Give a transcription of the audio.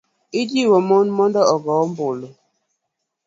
ijiwo mon mondo ogo ombulu.